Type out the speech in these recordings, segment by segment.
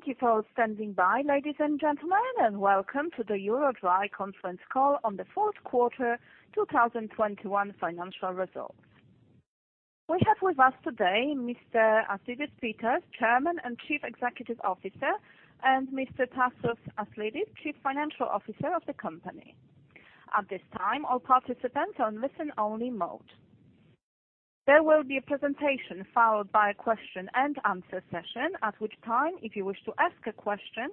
Thank you for standing by, ladies and gentlemen, and welcome to the EuroDry Conference Call on the Q4 2021 financial results. We have with us today Mr. Aristides Pittas, Chairman and Chief Executive Officer, and Mr. Tasos Aslidis, Chief Financial Officer of the company. At this time, all participants are in listen-only mode. There will be a presentation followed by a question and answer session, at which time, if you wish to ask a question,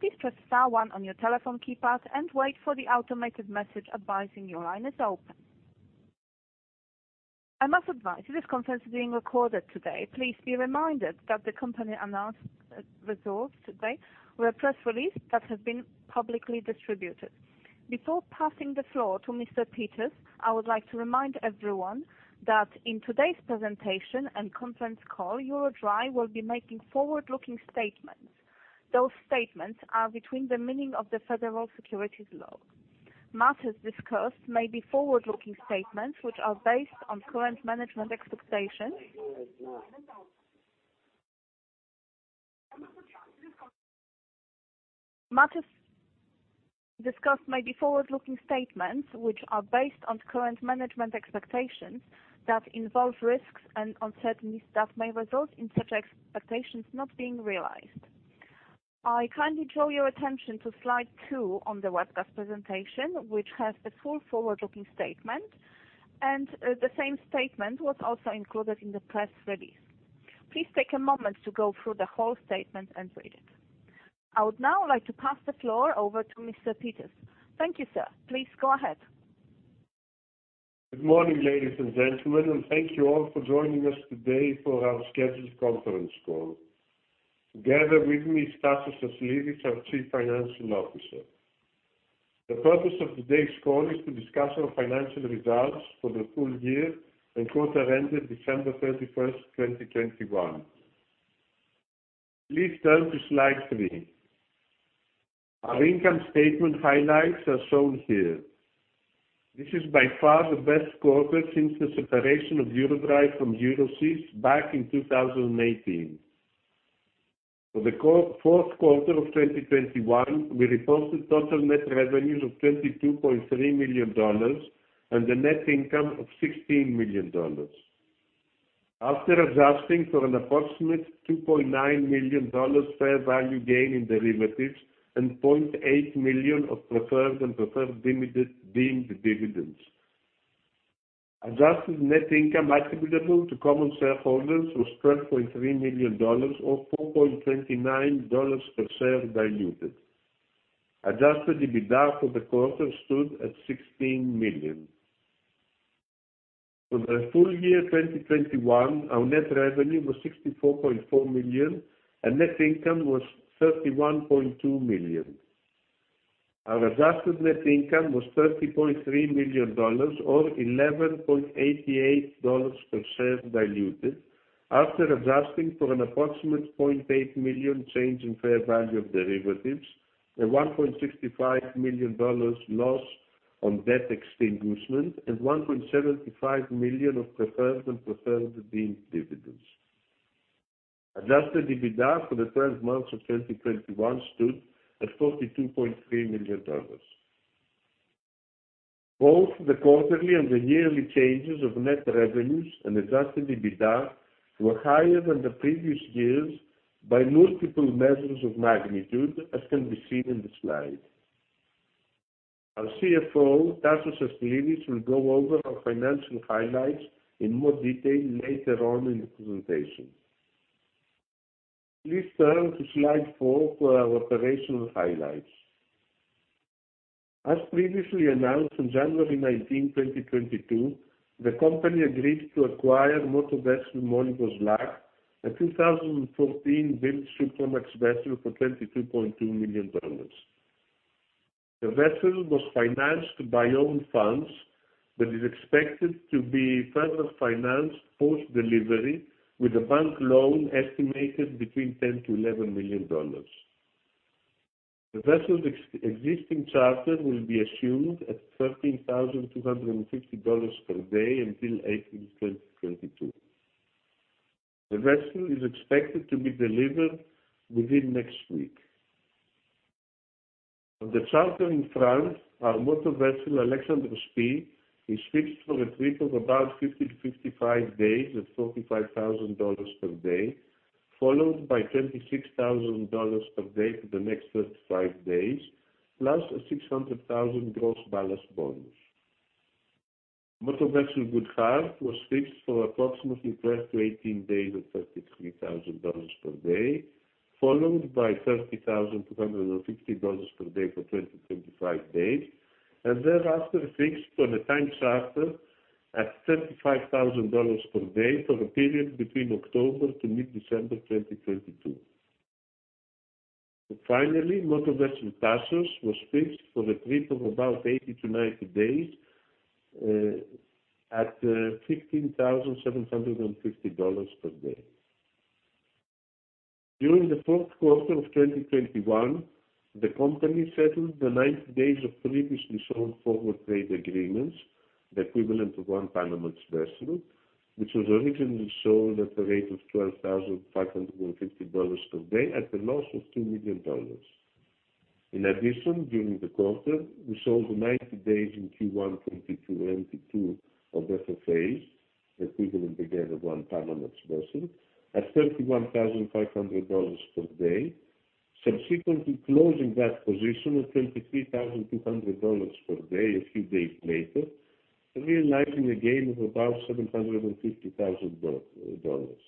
please press star one on your telephone keypad and wait for the automated message advising your line is open. I must advise this conference is being recorded today. Please be reminded that the company announced results today with a press release that has been publicly distributed. Before passing the floor to Mr. Pittas, I would like to remind everyone that in today's presentation and Conference Call, EuroDry will be making forward-looking statements. Those statements are within the meaning of the federal securities laws. Matters discussed may be forward-looking statements which are based on current management expectations that involve risks and uncertainties that may result in such expectations not being realized. I kindly draw your attention to slide two on the webcast presentation, which has a full forward-looking statement, and the same statement was also included in the press release. Please take a moment to go through the whole statement and read it. I would now like to pass the floor over to Mr. Pittas. Thank you, sir. Please go ahead. Good morning, ladies and gentlemen, thank you all for joining us today for our scheduled Conference Call. Together with me is Tasos Aslidis, our Chief Financial Officer. The purpose of today's call is to discuss our financial results for the full-year and quarter ended December 31, 2021. Please turn to slide 3. Our income statement highlights are shown here. This is by far the best quarter since the separation of EuroDry from Euroseas back in 2018. For the Q4 2021, we reported total net revenues of $22.3 million and a net income of $16 million. After adjusting for an approximate $2.9 million fair value gain in derivatives and $0.8 million of preferred and preferred limited deemed dividends. Adjusted net income attributable to common shareholders was $12.3 million or $4.29 per share diluted. Adjusted EBITDA for the quarter stood at $16 million. For the full-year 2021, our net revenue was $64.4 million, and net income was $31.2 million. Our adjusted net income was $30.3 million or $11.88 per share diluted after adjusting for an approximately $0.8 million change in fair value of derivatives, a $1.65 million loss on debt extinguishment, and $1.75 million of preferred and preferred deemed dividends. Adjusted EBITDA for the twelve months of 2021 stood at $42.3 million. Both the quarterly and the yearly changes of net revenues and adjusted EBITDA were higher than the previous years by multiple measures of magnitude, as can be seen in the slide. Our CFO, Tasos Aslidis, will go over our financial highlights in more detail later on in the presentation. Please turn to slide 4 for our operational highlights. As previously announced on January 19, 2022, the company agreed to acquire motor vessel Molyvos Luck, a 2014-built Supramax vessel for $22.2 million. The vessel was financed by own funds, but is expected to be further financed post-delivery with a bank loan estimated between $10 million-$11 million. The vessel's existing charter will be assumed at $13,250 per day until April 2022. The vessel is expected to be delivered within next week. For the charter in France, our motor vessel Alexandros P is fixed for a trip of about 50-55 days at $35,000 per day, followed by $26,000 per day for the next 35 days, plus a $600,000 gross ballast bonus. Motor vessel Good Heart was fixed for approximately 12-18 days at $33,000 per day, followed by $30,250 per day for 20-25 days, and thereafter fixed on a time charter at $35,000 per day for the period between October to mid-December 2022. Finally, motor vessel Tasos was fixed for a trip of about 80-90 days at $15,750 per day. During the Q4 2021, the company settled 90 days of previously sold forward freight agreements. The equivalent of one Panamax vessel, which was originally sold at the rate of $12,550 per day at a loss of $2 million. In addition, during the quarter, we sold 90 days in Q1 2022, two FFAs, the equivalent again of one Panamax vessel, at $31,500 per day, subsequently closing that position at $23,200 per day a few days later, realizing a gain of about $750,000 dollars.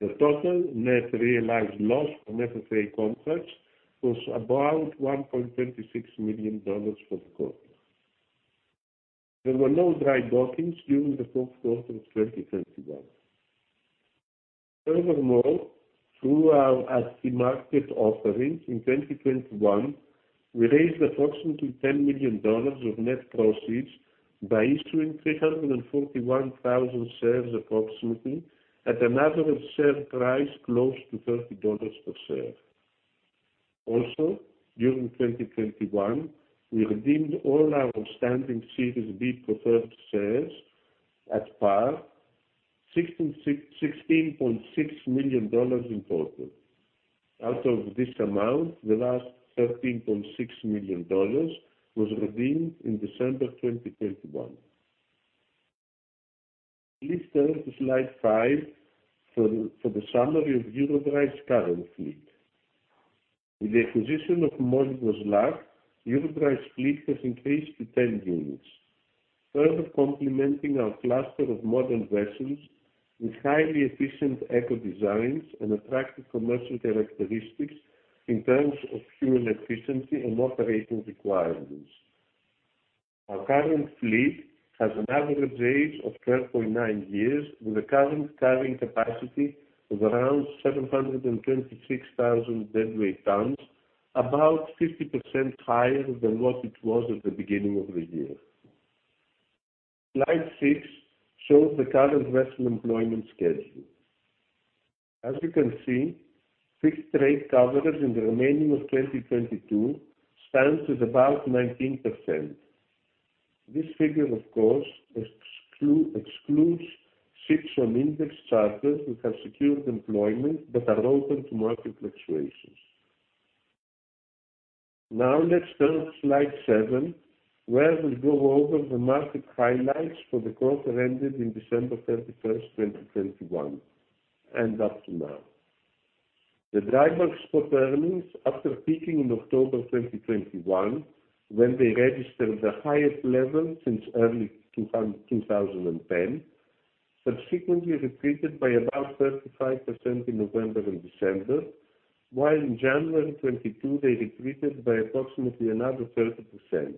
The total net realized loss on FFA contracts was about $1.26 million for the quarter. There were no dry dockings during the Q4 2021. Furthermore, through our at-the-market offerings in 2021, we raised approximately $10 million of net proceeds by issuing 341,000 shares approximately at an average share price close to $30 per share. Also, during 2021, we redeemed all our outstanding Series B preferred shares at par, $16.6 million in total. Out of this amount, the last $13.6 million was redeemed in December 2021. Please turn to slide 5 for the summary of EuroDry's current fleet. With the acquisition of Molyvos Luck, EuroDry's fleet has increased to 10 units, further complementing our cluster of modern vessels with highly efficient eco-designs and attractive commercial characteristics in terms of human efficiency and operating requirements. Our current fleet has an average age of 12.9 years, with a current carrying capacity of around 726,000 deadweight tons, about 50% higher than what it was at the beginning of the year. Slide six shows the current vessel employment schedule. As you can see, fixed rate coverage in the remaining of 2022 stands at about 19%. This figure, of course, excludes ships on index charters who have secured employment but are open to market fluctuations. Now let's turn to slide seven, where we go over the market highlights for the quarter ended in December 31, 2021, and up to now. The dry bulk spot earnings, after peaking in October 2021, when they registered the highest-level since early 2010, subsequently retreated by about 35% in November and December, while in January 2022, they retreated by approximately another 30%.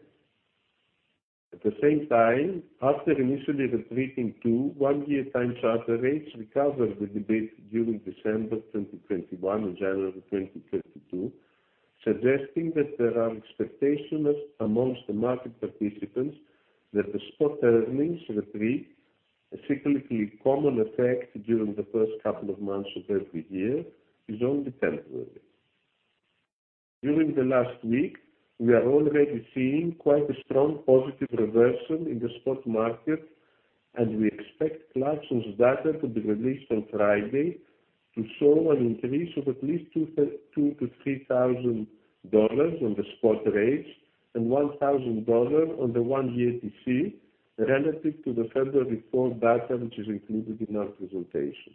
At the same time, after initially retreating, the one-year time charter rates recovered a bit during December 2021 and January 2022, suggesting that there are expectations among the market participants that the spot earnings retreat, a cyclically common effect during the first couple of months of every year, is only temporary. During the last week, we are already seeing quite a strong positive reversal in the spot market, and we expect Clarksons data to be released on Friday to show an increase of at least $32-$3,000 on the spot rates and $1,000 on the one-year TC relative to the February 4 data, which is included in our presentation.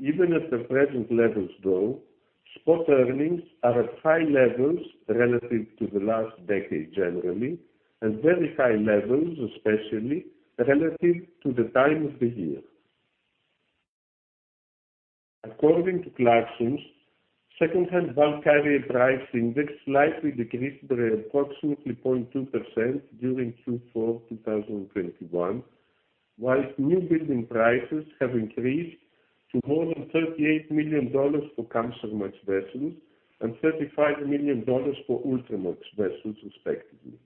Even at the present levels, though, spot earnings are at high-levels relative to the last decade generally, and very high-levels especially relative to the time of the year. According to Clarksons secondhand bulk carrier price index slightly decreased by approximately 0.2% during Q4 2021, while new building prices have increased to more than $38 million for Kamsarmax vessels and $35 million for Ultramax vessels respectively.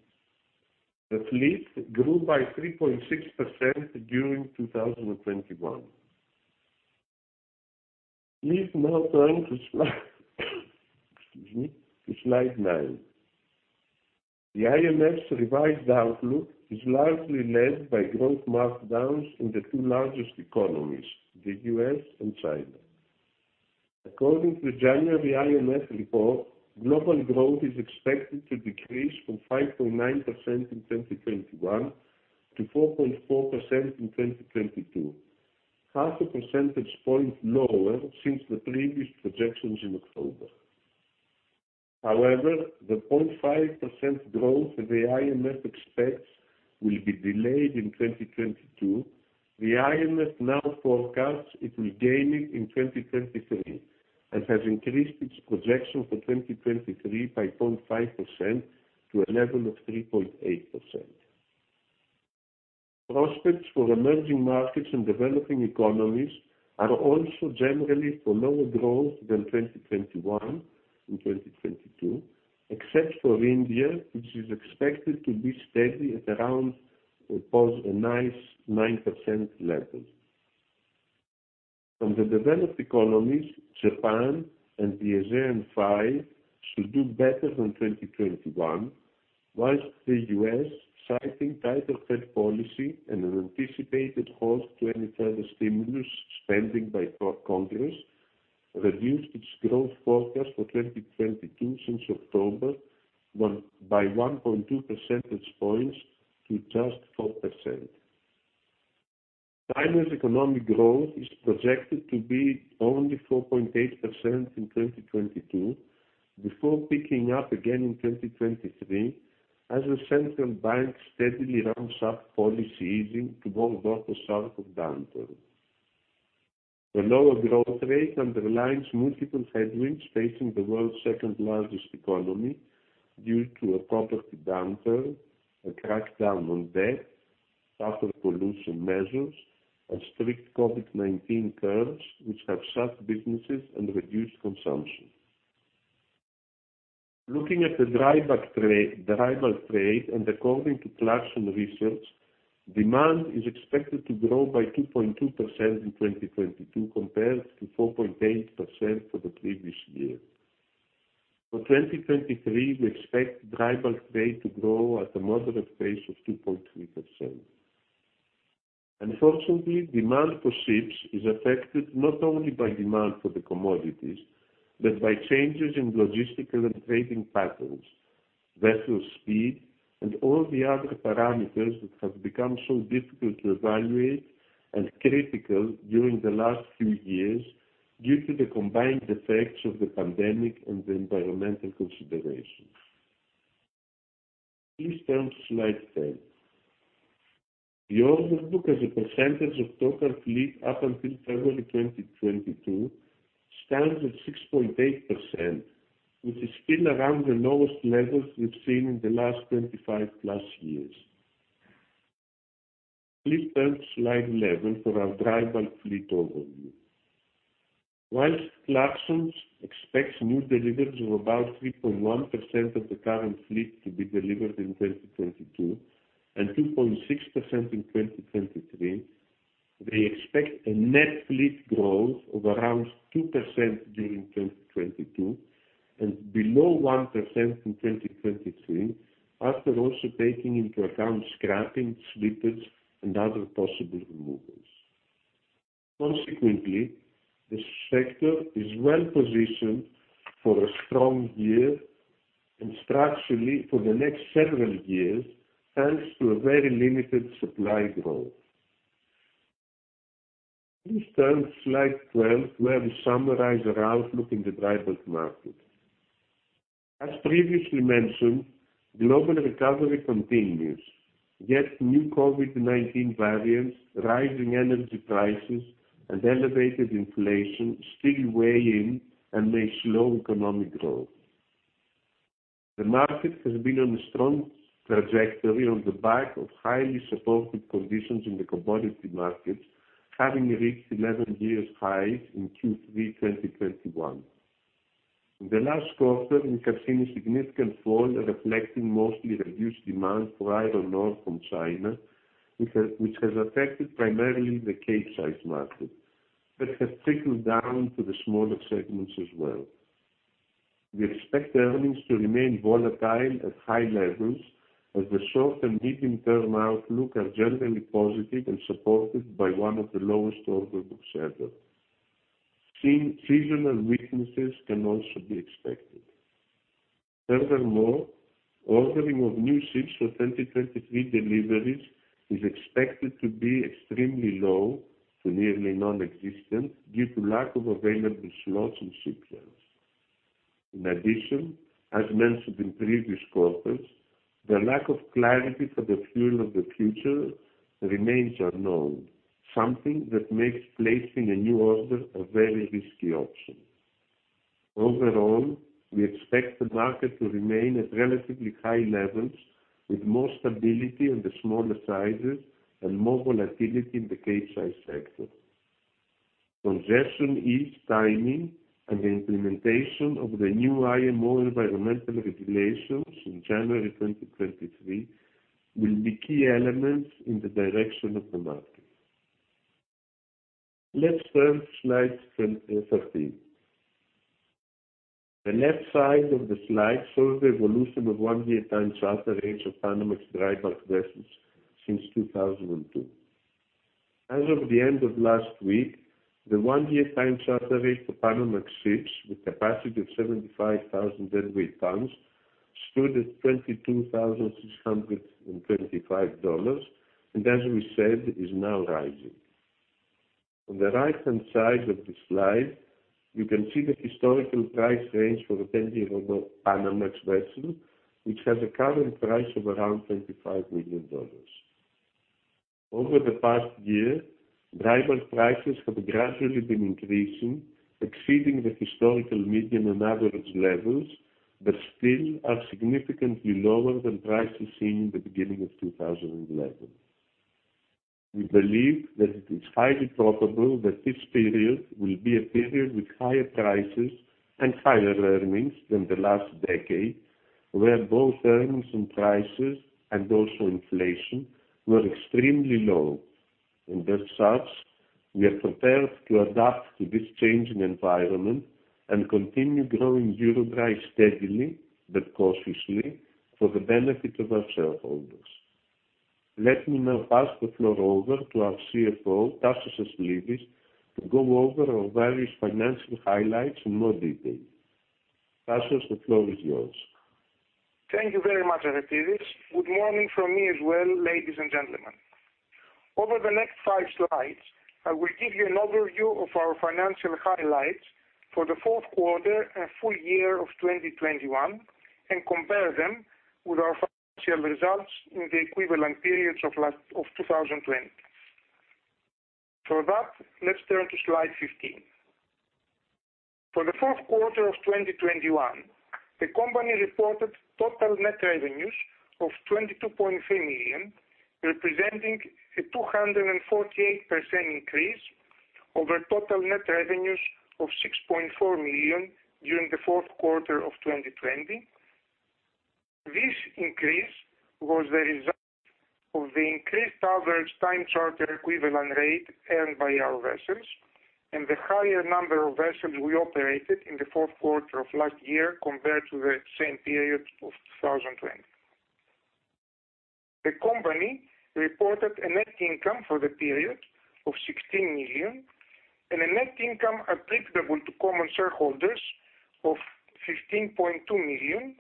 The fleet grew by 3.6% during 2021. Please now turn to, excuse me, slide nine. The IMF's revised outlook is largely led by growth markdowns in the two largest economies, the US. and China. According to the January IMF report, global growth is expected to decrease from 5.9% in 2021 to 4.4% in 2022, half a percentage point lower since the previous projections in October. However, the 0.5% growth the IMF expects will be delayed in 2022. The IMF now forecasts it will gain it in 2023 and has increased its projection for 2023 by 0.5% to a level of 3.8%. Prospects for emerging markets and developing economies are also generally for lower growth than 2021 and 2022, except for India, which is expected to be steady at around what was a nice 9% level. From the developed economies, Japan and the ASEAN-5 should do better than 2021, while the US., citing tighter Fed policy and an anticipated halt to any further stimulus spending by Congress, reduced its growth forecast for 2022 since October 1, by 1.2 percentage points to just 4%. China's economic growth is projected to be only 4.8% in 2022 before picking up again in 2023 as the central bank steadily ramps up policy easing to ward off a sharp downturn. The lower growth rate underlines multiple headwinds facing the world's second-largest economy due to a property downturn, a crackdown on debt, tougher pollution measures, and strict COVID-19 curbs which have shut businesses and reduced consumption. Looking at the dry bulk trade, and according to Clarksons Research, demand is expected to grow by 2.2% in 2022 compared to 4.8% for the previous year. For 2023, we expect dry bulk trade to grow at a moderate pace of 2.3%. Unfortunately, demand for ships is affected not only by demand for the commodities but by changes in logistical and trading patterns, vessel speed, and all the other parameters that have become so difficult to evaluate and critical during the last few years due to the combined effects of the pandemic and the environmental considerations. Please turn to slide 10. The order book as a percentage of total fleet up until February 2022 stands at 6.8%, which is still around the lowest levels we've seen in the last 25+ years. Please turn to slide 11 for our dry bulk fleet overview. While Clarksons expects new deliveries of about 3.1% of the current fleet to be delivered in 2022 and 2.6% in 2023, they expect a net fleet growth of around 2% during 2022 and below 1% in 2023, after also taking into account scrapping, slippage, and other possible removals. Consequently, the sector is well-positioned for a strong year and structurally for the next several years, thanks to a very limited supply growth. Please turn to slide 12, where we summarize our outlook in the dry bulk market. As previously mentioned, global recovery continues, yet new COVID-19 variants, rising energy prices, and elevated inflation still weigh in and may slow economic growth. The market has been on a strong trajectory on the back of highly supportive conditions in the commodity markets, having reached 11-year highs in Q3 2021. In the last quarter, we have seen a significant fall reflecting mostly reduced demand for iron ore from China, which has affected primarily the Capesize market but has trickled down to the smaller segments as well. We expect earnings to remain volatile at high-levels as the short- and medium-term outlook are generally positive and supported by one of the lowest order book ever. Seasonal weaknesses can also be expected. Furthermore, ordering of new ships for 2023 deliveries is expected to be extremely low to nearly non-existent due to lack of available slots in shipyards. In addition, as mentioned in previous quarters, the lack of clarity for the fuel of the future remains unknown, something that makes placing a new order a very risky option. Overall, we expect the market to remain at relatively high-levels with more stability in the smaller sizes and more volatility in the Capesize sector. Congestion ease, timing, and the implementation of the new IMO environmental regulations in January 2023 will be key elements in the direction of the market. Let's turn to slides 12-13. The left side of the slide shows the evolution of 1-year time charter rates of Panamax dry bulk vessels since 2002. As of the end of last week, the one-year time charter rate for Panamax ships with capacity of 75,000 deadweight tons stood at $22,625, and as we said, is now rising. On the right-hand side of the slide, you can see the historical price range for a 10-year-old Panamax vessel, which has a current price of around $25 million. Over the past year, dry bulk prices have gradually been increasing, exceeding the historical median and average levels, but still are significantly lower than prices seen in the beginning of 2011. We believe that it is highly probable that this period will be a period with higher prices and higher earnings than the last decade, where both earnings and prices and also inflation were extremely low. As such, we are prepared to adapt to this changing environment and continue growing EuroDry steadily but cautiously for the benefit of our shareholders. Let me now pass the floor over to our CFO, Tasos Aslidis, to go over our various financial highlights in more detail. Tasos, the floor is yours. Thank you very much, Aristides. Good morning from me as well, ladies and gentlemen. Over the next 5 slides, I will give you an overview of our financial highlights for the Q4 and full-year of 2021, and compare them with our financial results in the equivalent periods of 2020. For that, let's turn to slide 15. For the Q4 2021, the company reported total net revenues of $22.3 million, representing a 248% increase over total net revenues of $6.4 million during the Q4 2020. This increase was the result of the increased average time charter equivalent rate earned by our vessels and the higher number of vessels we operated in the Q4 of last year compared to the same period of 2020. The company reported a net income for the period of $16 million and a net income attributable to common shareholders of $15.2 million,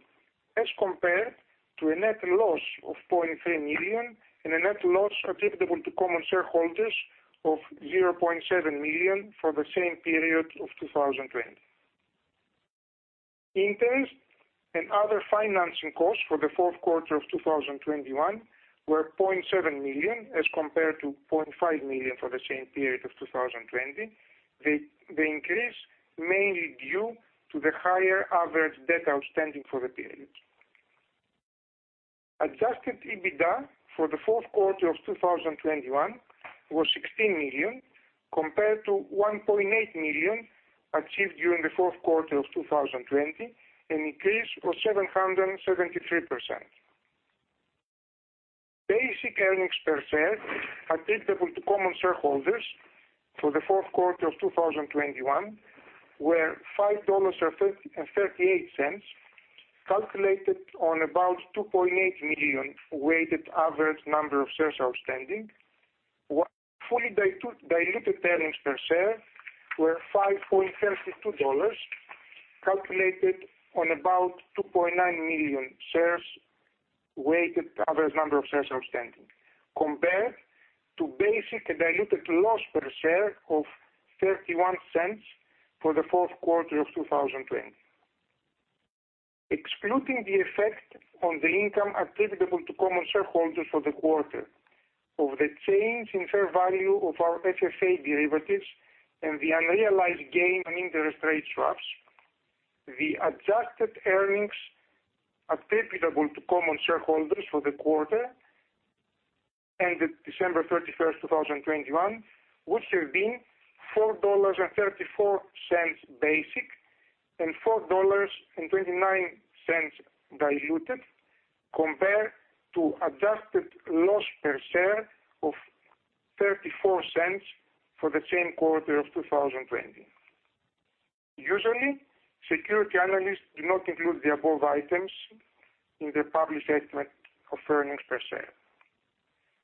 as compared to a net loss of $0.3 million and a net loss attributable to common shareholders of $0.7 million for the same period of 2020. Interest and other financing costs for the Q4 2021 were $0.7 million, as compared to $0.5 million for the same period of 2020. The increase mainly due to the higher average debt outstanding for the period. Adjusted EBITDA for the Q4 2021 was $16 million compared to $1.8 million achieved during the Q4 2020, an increase of 773%. Basic earnings per share attributable to common shareholders for the Q4 2021 were $5.38, calculated on about 2.8 million weighted average number of shares outstanding, while fully diluted earnings per share were $5.32, calculated on about 2.9 million shares weighted average number of shares outstanding, compared to basic and diluted loss per share of $0.31 for the Q4 2020. Excluding the effect on the income attributable to common shareholders for the quarter of the change in fair value of our FFA derivatives and the unrealized gain on interest rate swaps, the adjusted earnings attributable to common shareholders for the quarter ended December 31, 2021, would have been $4.34 basic and $4.29 diluted compared to adjusted loss per share of $0.34 for the same quarter of 2020. Usually, security analysts do not include the above items in their published estimate of earnings per share.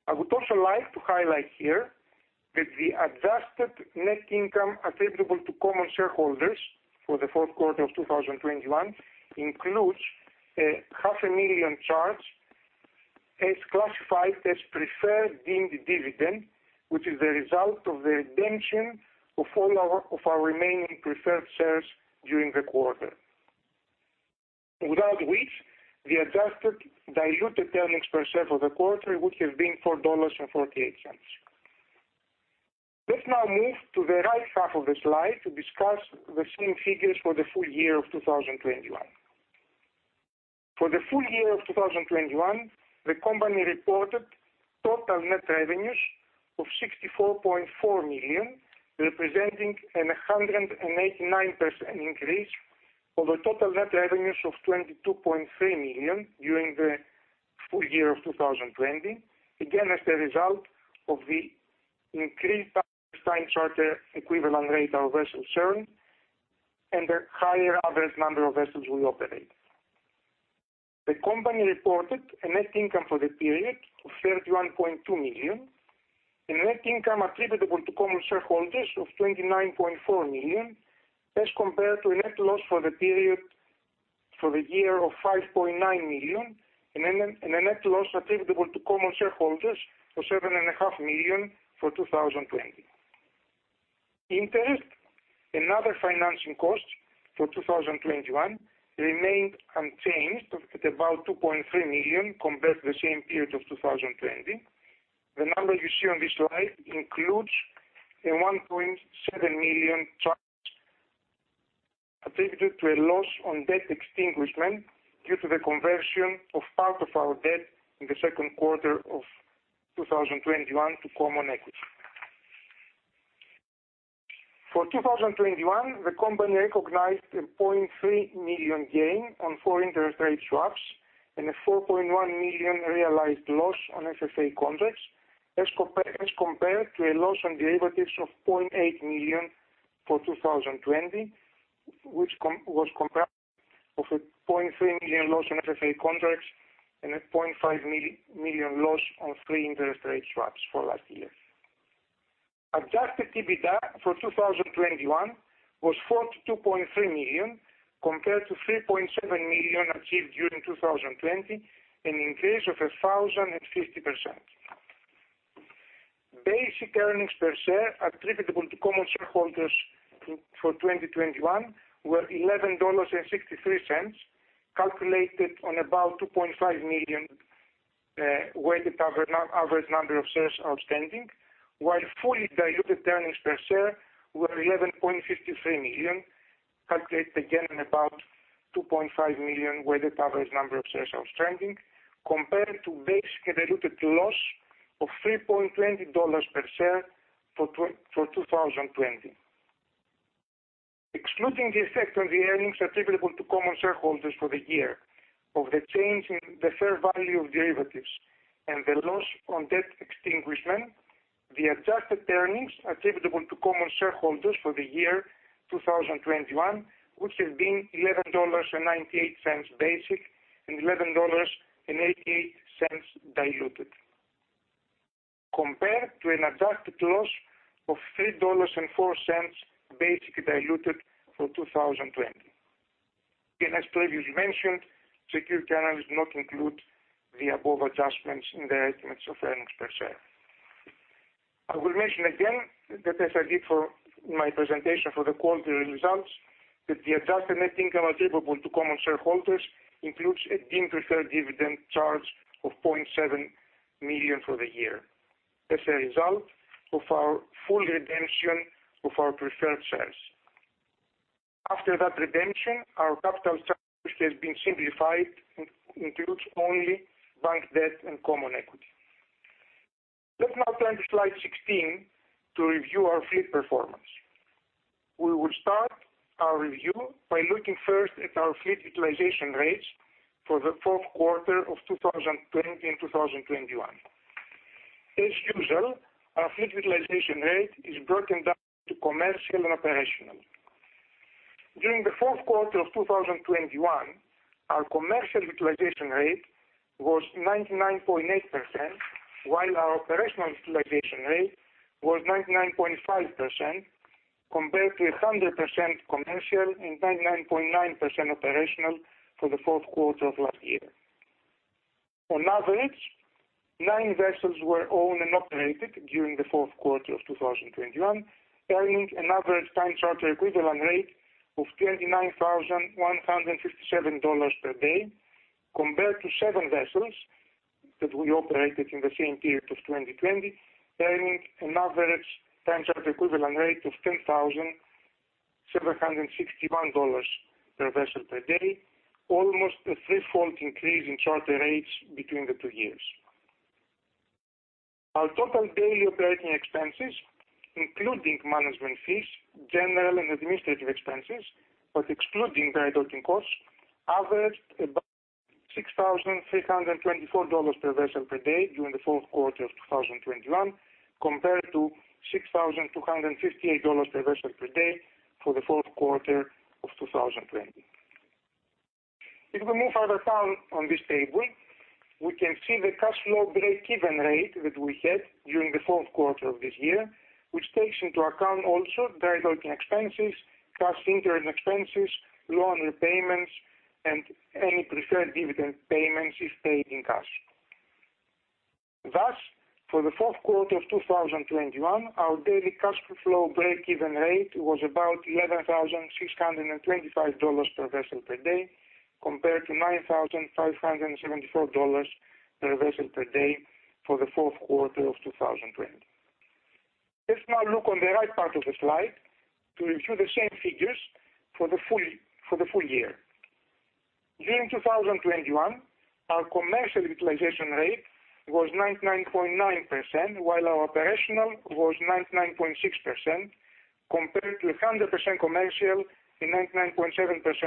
I would also like to highlight here that the adjusted net income attributable to common shareholders for the Q4 2021 includes a $0.5 million charge as classified as preferred dividend, which is the result of the redemption of all our remaining preferred shares during the quarter. Without which the adjusted diluted earnings per share for the quarter would have been $4.48. Let's now move to the right half of the slide to discuss the same figures for the full-year of 2021. For the full-year of 2021, the company reported total net revenues of $64.4 million, representing a 189% increase over total net revenues of $22.3 million during the full-year of 2020. Again, as a result of the increased time charter equivalent rate our vessels earned and the higher average number of vessels we operate, the company reported a net income for the period of $31.2 million and a net income attributable to common shareholders of $29.4 million, as compared to a net loss for the period for the year of $5.9 million, and a net loss attributable to common shareholders of seven and a half million for 2020. Interest and other financing costs for 2021 remained unchanged at about $2.3 million compared to the same period of 2020. The number you see on this slide includes a $1.7 million charge attributed to a loss on debt extinguishment due to the conversion of part of our debt in the Q2 2021 to common equity. For 2021, the company recognized a $0.3 million gain on four interest rate swaps and a $4.1 million realized loss on FFA contracts. As compared to a loss on derivatives of $0.8 million for 2020, which was comprised of a $0.3 million loss on FFA contracts and a $0.5 million loss on three interest rate swaps for last year. Adjusted EBITDA for 2021 was $42.3 million compared to $3.7 million achieved during 2020, an increase of 1,050%. Basic earnings per share attributable to common shareholders for 2021 were $11.63, calculated on about 2.5 million weighted average number of shares outstanding. While fully diluted earnings per share were $11.53, calculated again on about 2.5 million weighted average number of shares outstanding compared to basic and diluted loss of $3.20 per share for 2020. Excluding the effect on the earnings attributable to common shareholders for the year of the change in the fair value of derivatives and the loss on debt extinguishment, the adjusted earnings attributable to common shareholders for the year 2021 would have been $11.98 basic and $11.88 diluted. Compared to an adjusted loss of $3.04 basic diluted for 2020. Again, as previously mentioned, equity analysts do not include the above adjustments in their estimates of earnings per share. I will mention again that as I did for my presentation for the quarterly results, the adjusted net income attributable to common shareholders includes a deemed preferred dividend charge of $0.7 million for the year as a result of our full redemption of our preferred shares. After that redemption, our capital structure has been simplified and includes only bank debt and common equity. Let's now turn to slide 16 to review our fleet performance. We will start our review by looking first at our fleet utilization rates for the Q4 2020 and 2021. As usual, our fleet utilization rate is broken down to commercial and operational. During the Q4 2021, our commercial utilization rate was 99.8%, while our operational utilization rate was 99.5% compared to 100% commercial and 99.9% operational for the Q4 of last year. On average, 9 vessels were owned and operated during the Q4 2021, earning an average time charter equivalent rate of $39,157 per day, compared to 7 vessels that we operated in the same period of 2020, earning an average time charter equivalent rate of $10,761 per vessel per day, almost a threefold increase in charter rates between the two years. Our total daily operating expenses, including management fees, General and Administrative expenses, but excluding dry docking costs, averaged about $6,324 per vessel per day during the Q4 2021, compared to $6,258 per vessel per day for the Q4 2020. If we move further down on this table, we can see the cash flow break-even rate that we had during the Q4 of this year, which takes into account also dry docking expenses, cash interest expenses, loan repayments, and any preferred dividend payments if paid in cash. Thus, for the Q4 2021, our daily cash flow break-even rate was about $11,625 per vessel per day, compared to $9,574 per vessel per day for the Q4 2020. Let's now look on the right part of the slide to review the same figures for the full-year. During 2021, our commercial utilization rate was 99.9%, while our operational was 99.6% compared to 100% commercial and 99.7%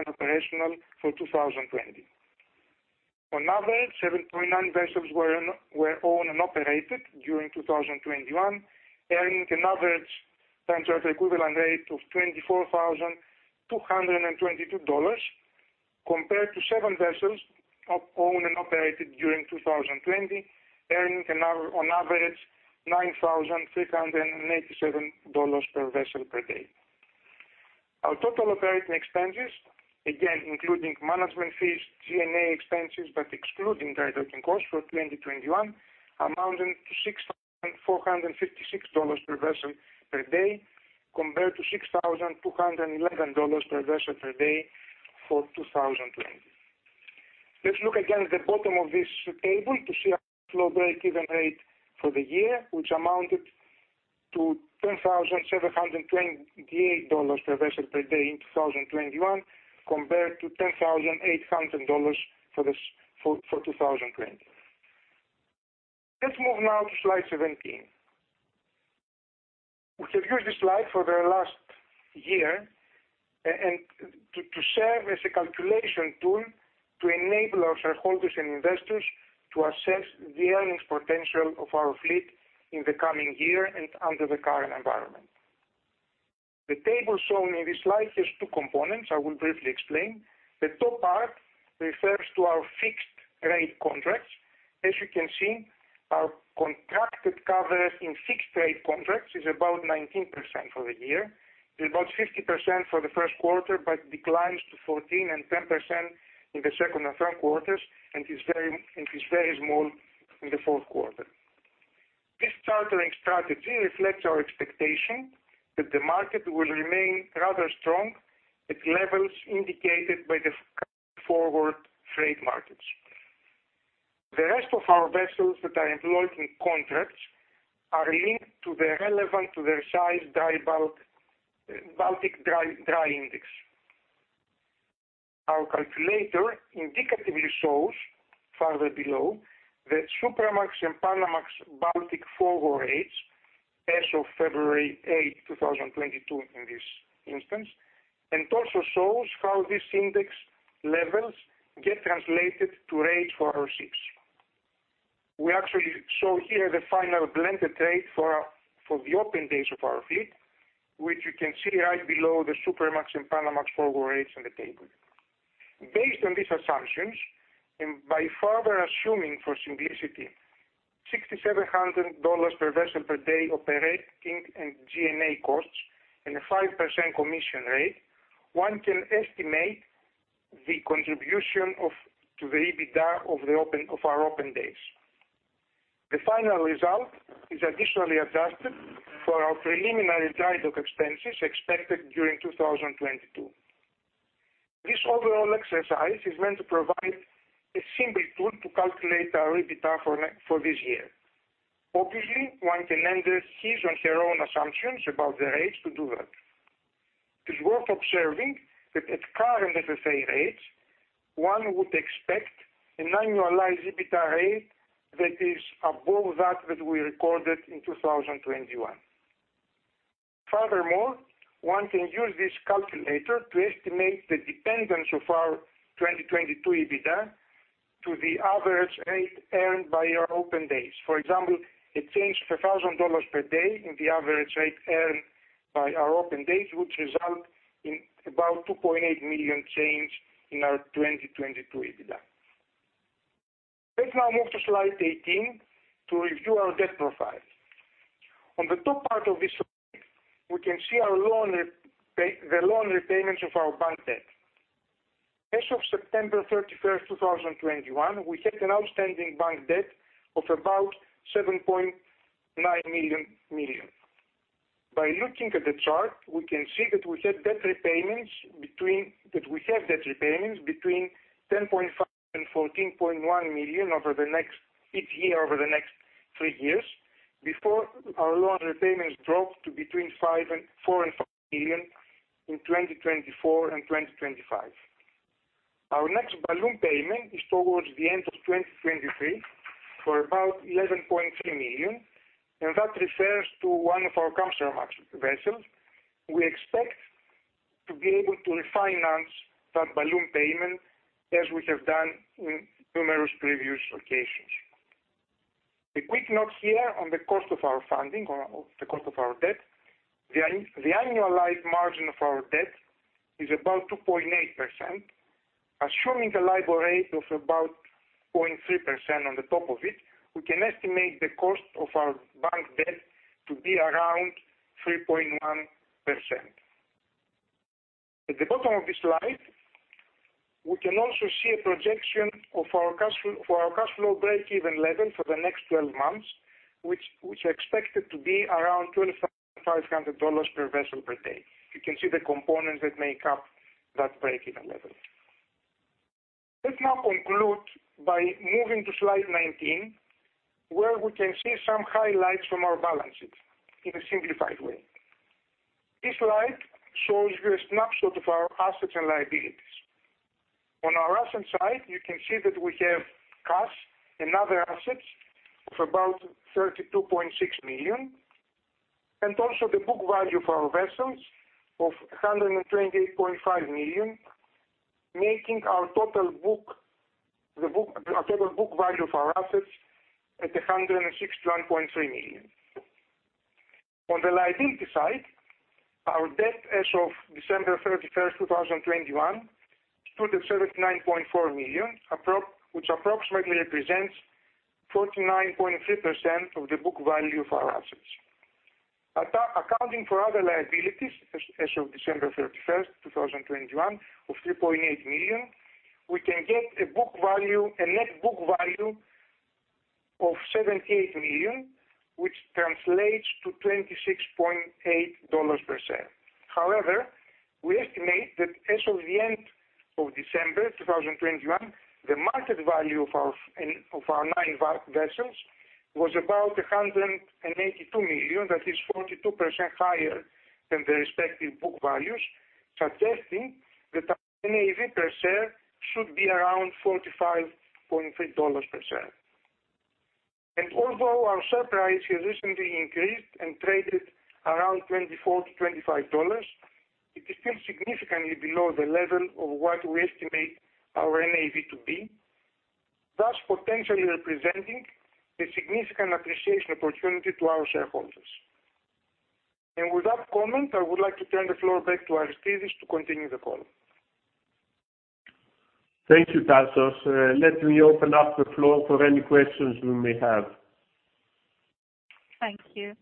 operational for 2020. On average, 7.9 vessels were owned and operated during 2021, earning an average time charter equivalent rate of $24,222, compared to 7 vessels owned and operated during 2020, earning on average $9,387 per vessel per day. Our total operating expenses, again including management fees, G&A expenses, but excluding dry docking costs for 2021, amounted to $6,456 per vessel per day, compared to $6,211 per vessel per day for 2020. Let's look again at the bottom of this table to see our cash flow break-even rate for the year, which amounted to $10,728 per vessel per day in 2021, compared to $10,800 for 2020. Let's move now to slide 17. We have used this slide for the last year and to serve as a calculation tool to enable our shareholders and investors to assess the earnings potential of our fleet in the coming year and under the current environment. The table shown in this slide has two components I will briefly explain. The top part refers to our fixed rate contracts. As you can see, our contracted covers in fixed rate contracts is about 19% for the year, is about 50% for the Q1, but declines to 14% and 10% in the Q2 and Q3, and is very small in the Q4. This chartering strategy reflects our expectation that the market will remain rather strong at levels indicated by the forward freight markets. The rest of our vessels that are employed in contracts are linked to the relevant to their size dry bulk Baltic Dry Index. Our calculator indicatively shows farther below that Supramax and Panamax Baltic forward rates as of February 8, 2022, in this instance, and also shows how this index levels get translated to rates for our ships. We actually show here the final blended rate for the open days of our fleet, which you can see right below the Supramax and Panamax forward rates in the table. Based on these assumptions, and by further assuming for simplicity $6,700 per vessel per day operating and G&A costs and a 5% commission rate, one can estimate the contribution to the EBITDA of our open days. The final result is additionally adjusted for our preliminary drydock expenses expected during 2022. This overall exercise is meant to provide a simple tool to calculate our EBITDA for this year. Obviously, one can enter his and her own assumptions about the rates to do that. It is worth observing that at current FFA rates, one would expect an annualized EBITDA rate that is above that we recorded in 2021. Furthermore, one can use this calculator to estimate the dependence of our 2022 EBITDA to the average rate earned by our open days. For example, a change of $1,000 per day in the average rate earned by our open days would result in about $2.8 million change in our 2022 EBITDA. Let's now move to slide 18 to review our debt profile. On the top part of this slide, we can see our loan repayment, the loan repayments of our bank debt. As of September 31, 2021, we had an outstanding bank debt of about $7.9 million. By looking at the chart, we can see that we have debt repayments between $10.5 million and $14.1 million each year over the next three years, before our loan repayments drop to between $4 million and $5 million in 2024 and 2025. Our next balloon payment is towards the end of 2023 for about $11.3 million, and that refers to one of our Kamsarmax vessels. We expect to be able to refinance that balloon payment as we have done in numerous previous occasions. A quick note here on the cost of our funding or the cost of our debt. The annualized margin of our debt is about 2.8%, assuming a LIBOR rate of about 0.3% on the top of it, we can estimate the cost of our bank debt to be around 3.1%. At the bottom of this slide, we can also see a projection of our cash flow for our cash flow breakeven level for the next 12 months, which are expected to be around $2,500 per vessel per day. You can see the components that make up that breakeven level. Let's now conclude by moving to slide 19, where we can see some highlights from our balances in a simplified way. This slide shows you a snapshot of our assets and liabilities. On our asset side, you can see that we have cash and other assets of about $32.6 million, and also the book value for our vessels of $128.5 million, making our total book value for our assets at $161.3 million. On the liability side, our debt as of December 31, 2021, stood at approximately $79.4 million, which approximately represents 49.3% of the book value of our assets. At that, accounting for other liabilities as of December 31, 2021, of $3.8 million, we can get a net book value of $78 million which translates to $26.8 per share. However, we estimate that as of the end of December 2021, the market value of our, of our nine vessels was about $182 million. That is 42% higher than the respective book values, suggesting that our NAV per share should be around $45.3 per share. Although our share price has recently increased and traded around $24-$25, it is still significantly below the level of what we estimate our NAV to be, thus potentially representing a significant appreciation opportunity to our shareholders. With that comment, I would like to turn the floor back to Aristides to continue the call. Thank you, Tasos. Let me open up the floor for any questions we may have. Thank you.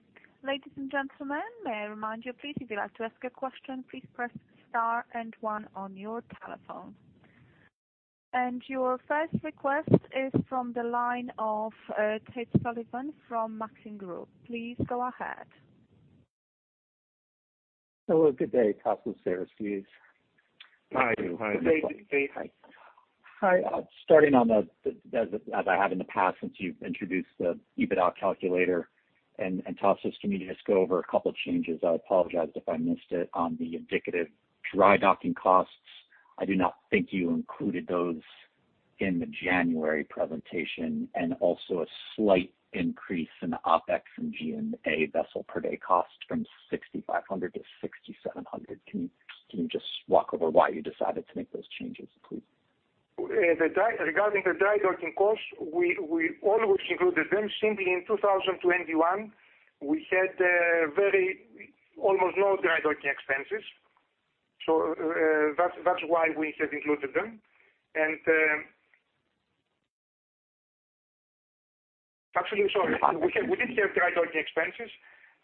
Ladies and gentlemen, may I remind you please, if you'd like to ask a question, please press star and one on your telephone. Your first request is from the line of Tate Sullivan from Maxim Group. Please go ahead. Good day, Tasos, Aristides. Hi. Hi. Hi. Starting as I have in the past, since you've introduced the EBITDA calculator and Tasos to me, just go over a couple of changes. I apologize if I missed it on the indicative dry docking costs. I do not think you included those in the January presentation, and also a slight increase in the OpEx from G&A vessel per day cost from $6,500 to $6,700. Can you just walk through why you decided to make those changes, please? Regarding the dry docking costs, we always included them. Simply in 2021, we had very almost no dry docking expenses. That's why we have included them. Actually sorry. We had, we did have dry docking expenses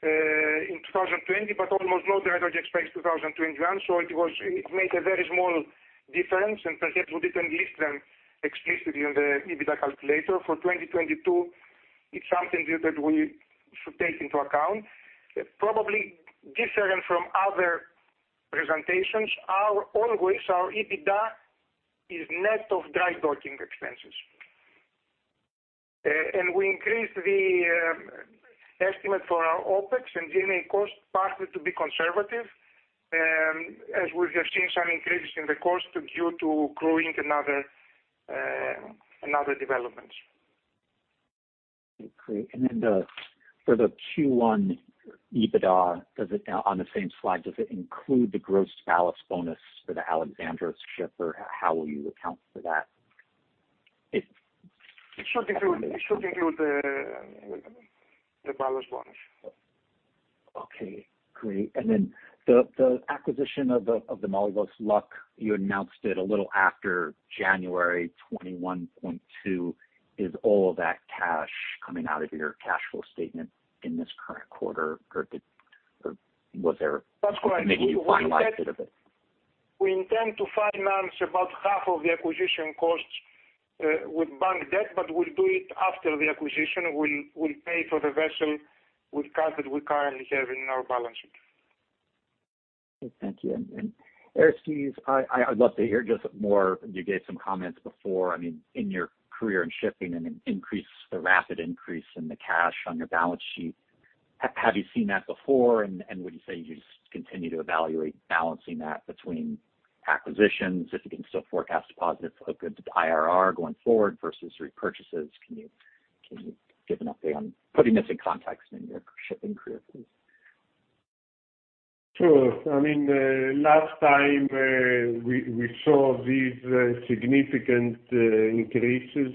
in 2020, but almost no dry docking expense 2021. It made a very small difference. Perhaps we didn't list them explicitly on the EBITDA calculator for 2022. It's something that we should take into account. Probably different from other presentations. Our EBITDA is net of dry docking expenses. We increased the estimate for our OpEx and G&A costs partly to be conservative, as we have seen some increase in the cost due to growing another development. Okay, great. For the Q1 EBITDA, does it, on the same slide, does it include the gross ballast bonus for the Alexandros ship or how will you account for that? It should include the ballast bonus. Okay, great. The acquisition of the Molyvos Luck, you announced it a little after January 2022. Is all of that cash coming out of your cash flow statement in this current quarter? Or was there maybe you finalized a bit of it? We intend to finance about half of the acquisition costs with bank debt, but we'll do it after the acquisition. We'll pay for the vessel with cash that we currently have in our balance sheet. Thank you. Aristides, I would love to hear just more. You gave some comments before, I mean, in your career in shipping and the rapid increase in the cash on your balance sheet. Have you seen that before? Would you say you just continue to evaluate balancing that between acquisitions if you can still forecast positive IRR going forward versus repurchases? Can you give an update on putting this in context in your shipping career, please? Sure. I mean, last time we saw these significant increases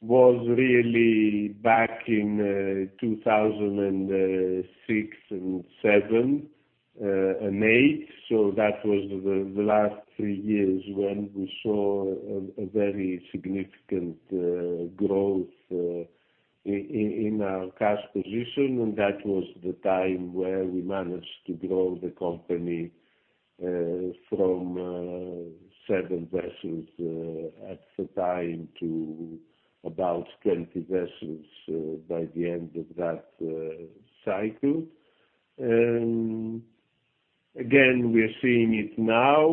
was really back in 2006, 2007, and 2008. That was the last three years when we saw a very significant growth in our cash position. That was the time where we managed to grow the company from 7 vessels at the time to about 20 vessels by the end of that cycle. Again, we are seeing it now.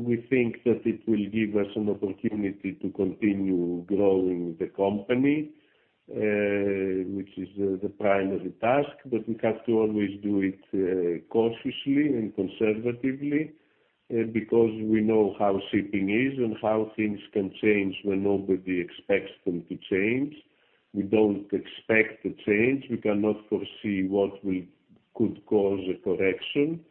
We think that it will give us an opportunity to continue growing the company, which is the primary task, but we have to always do it cautiously and conservatively, because we know how shipping is and how things can change when nobody expects them to change. We don't expect a change. We cannot foresee what could cause a correction.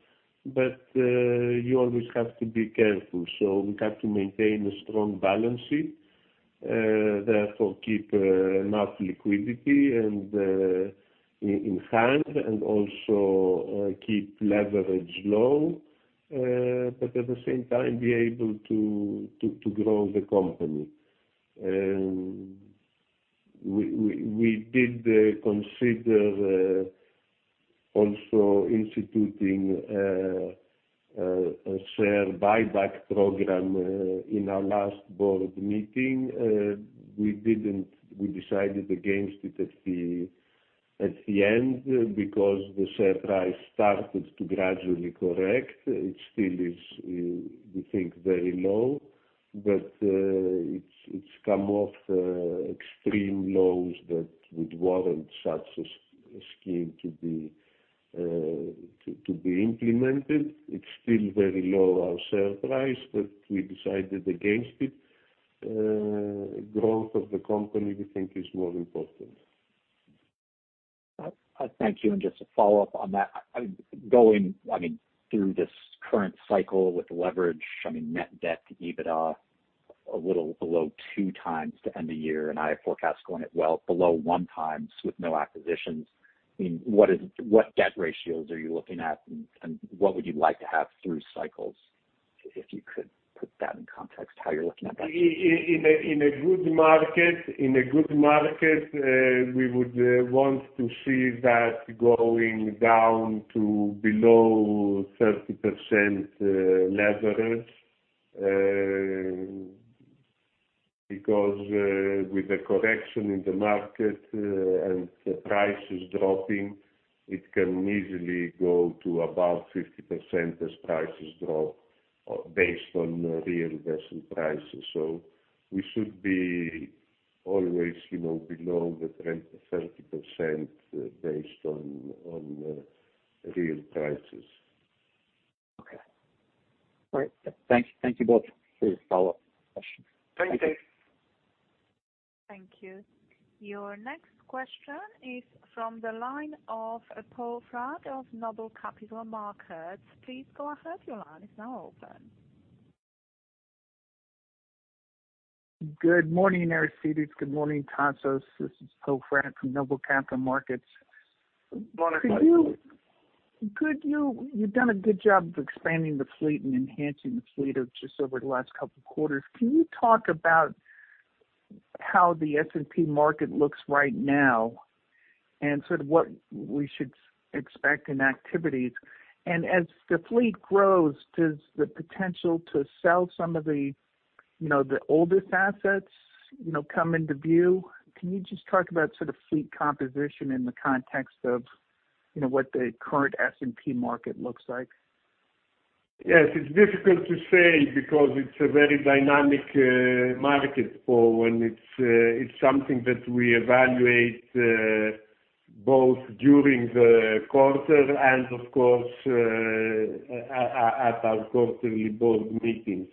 You always have to be careful. We have to maintain a strong balance sheet, therefore keep enough liquidity on hand and also keep leverage low, but at the same time be able to grow the company. We did consider also instituting a share buyback program in our last board meeting. We didn't. We decided against it at the end because the share price started to gradually correct. It still is, we think, very low, but it's come off extreme lows that would warrant such a scheme to be implemented. It's still very low, our share price, but we decided against it. Growth of the company we think is more important. I thank you. Just to follow-up on that, I'm going, I mean, through this current cycle with leverage, I mean, net debt to EBITDA a little below 2x to end of year, and I forecast it going well below 1x with no acquisitions. I mean, what debt ratios are you looking at and what would you like to have through cycles if you could put that in context, how you're looking at that? In a good market, we would want to see that going down to below 30% leverage. Because with the correction in the market and the prices dropping, it can easily go to about 50% as prices drop based on real vessel prices. We should be always, you know, below 30% based on real prices. Okay. All right. Thank you both for your follow-up questions. Thank you. Thank you. Your next question is from the line of Poe Fratt of Noble Capital Markets. Please go ahead. Your line is now open. Good morning, Aristides. Good morning, Tasos. This is Poe Fratt from Noble Capital Markets. Morning, Poe. You've done a good job of expanding the fleet and enhancing the fleet of just over the last couple of quarters. Can you talk about how the S&P market looks right now and sort of what we should expect in activities? As the fleet grows, does the potential to sell some of the, you know, the oldest assets, you know, come into view? Can you just talk about sort of fleet composition in the context of, you know, what the current S&P market looks like? Yes. It's difficult to say because it's a very dynamic market, Poe, and it's something that we evaluate both during the quarter and of course at our quarterly board meetings.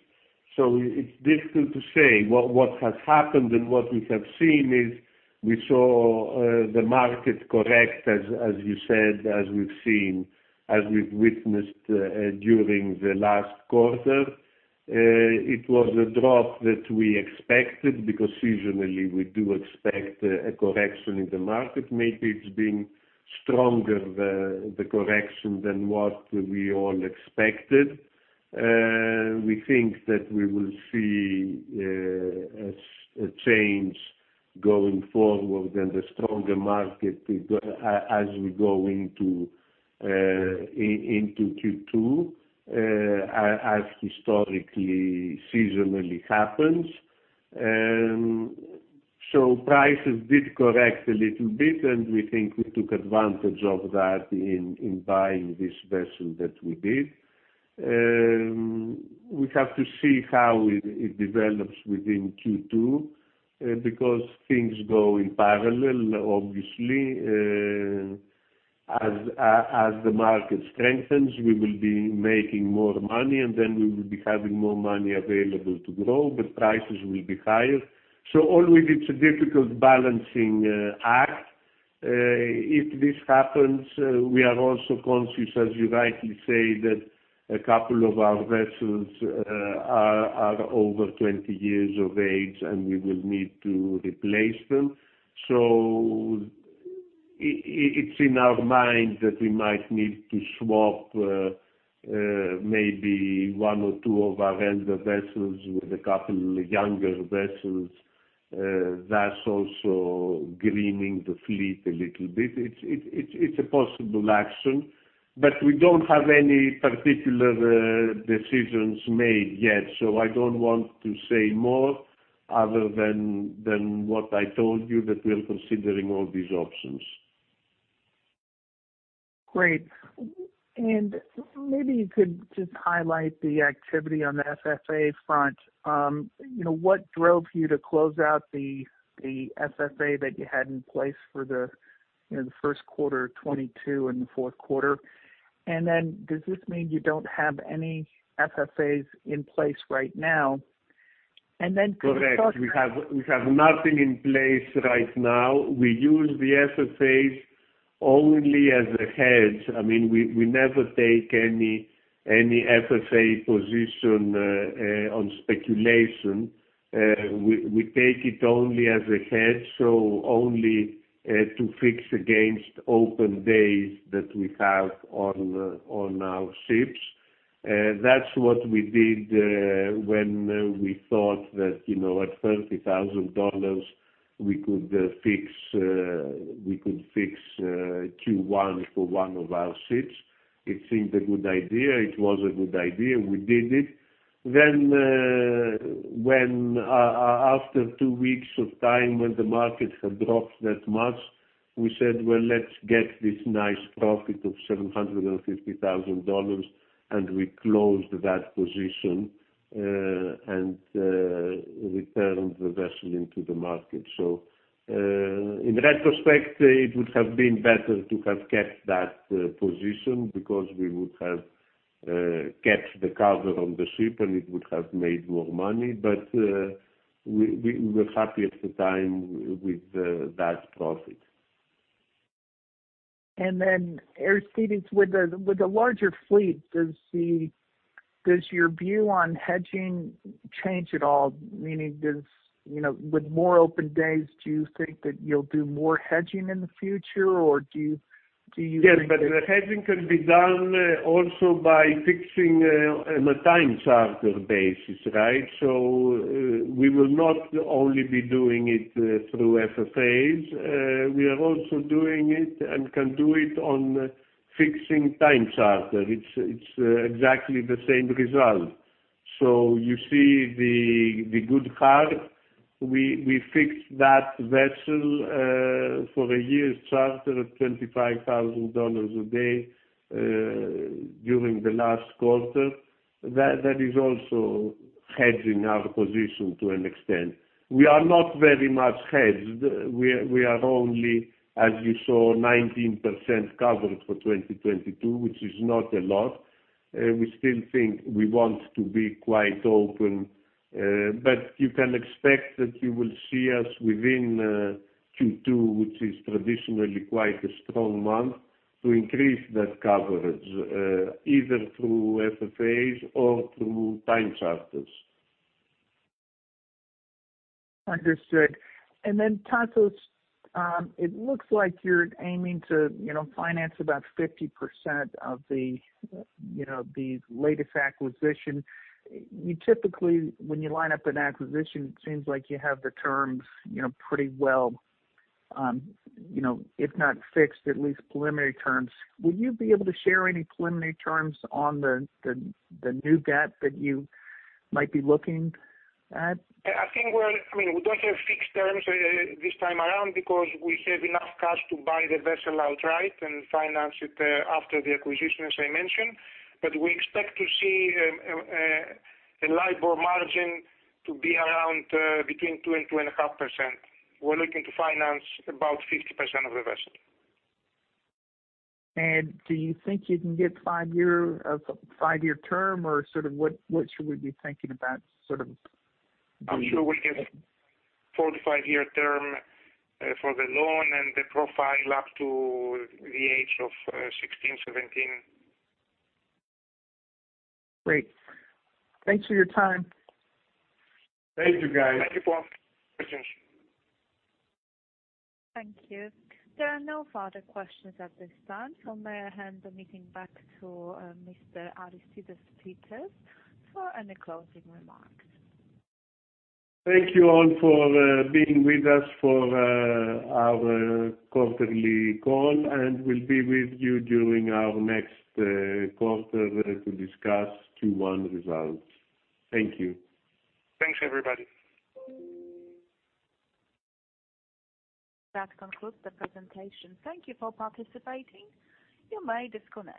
It's difficult to say. What has happened and what we have seen is we saw the market correct as you said, as we've witnessed during the last quarter. It was a drop that we expected because seasonally we do expect a correction in the market. Maybe it's been stronger the correction than what we all expected. We think that we will see a change going forward and a stronger market as we go into Q2, as historically, seasonally happens. Prices did correct a little bit, and we think we took advantage of that in buying this vessel that we did. We have to see how it develops within Q2, because things go in parallel obviously. As the market strengthens, we will be making more money, and then we will be having more money available to grow, but prices will be higher. Always it's a difficult balancing act. If this happens, we are also conscious, as you rightly say, that a couple of our vessels are over 20 years of age, and we will need to replace them. It's in our mind that we might need to swap maybe one or two of our older vessels with a couple younger vessels, thus also greening the fleet a little bit. It's a possible action, but we don't have any particular decisions made yet. I don't want to say more other than what I told you, that we are considering all these options. Great. Maybe you could just highlight the activity on the FFA front. What drove you to close out the FFA that you had in place for the Q1 2022 and the Q4? Then does this mean you don't have any FFAs in place right now? Correct. We have nothing in place right now. We use the FFAs only as a hedge. I mean, we never take any FFA position on speculation. We take it only as a hedge, so only to fix against open days that we have on our ships. That's what we did when we thought that, you know, at $30,000 we could fix Q1 for one of our ships. It seemed a good idea. It was a good idea. We did it. When after two weeks of time when the market had dropped that much, we said, "Well, let's get this nice profit of $750,000," and we closed that position and returned the vessel into the market. In retrospect, it would have been better to have kept that position because we would have caught the recovery in shipping, and it would have made more money, but we were happy at the time with that profit. Then Aristides with the larger fleet, does your view on hedging change at all? Meaning, you know, with more open days, do you think that you'll do more hedging in the future? Or do you Yes, the hedging can be done also by fixing on a time charter basis, right? We will not only be doing it through FFAs. We are also doing it and can do it on fixing time charter. It's exactly the same result. You see the Good Heart. We fixed that vessel for a year charter of $25,000 a day during the last quarter. That is also hedging our position to an extent. We are not very much hedged. We are only, as you saw, 19% covered for 2022, which is not a lot. We still think we want to be quite open, but you can expect that you will see us within Q2, which is traditionally quite a strong month, to increase that coverage, either through FFAs or through time charters. Understood. Tasos, it looks like you're aiming to, you know, finance about 50% of the, you know, the latest acquisition. You typically, when you line up an acquisition, it seems like you have the terms, you know, pretty well, you know, if not fixed, at least preliminary terms. Would you be able to share any preliminary terms on the new debt that you might be looking at? I mean, we don't have fixed terms this time around because we have enough cash to buy the vessel outright right and finance it after the acquisition, as I mentioned. We expect to see a LIBOR margin to be around between 2% and 2.5%. We're looking to finance about 50% of the vessel. Do you think you can get a five-year term or sort of what should we be thinking about sort of the- I'm sure we'll get 4- to 5-year term for the loan and the profile up to the age of 16-17. Great. Thanks for your time. Thank you, guys. Thank you, Poe. Thank you. There are no further questions at this time, so may I hand the meeting back to Mr. Aristides Pittas for any closing remarks. Thank you all for being with us for our quarterly call, and we'll be with you during our next quarter to discuss 2021 results. Thank you. Thanks, everybody. That concludes the presentation. Thank you for participating. You may disconnect.